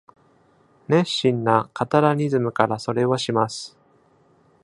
熱心なカタラニズムからそれをします。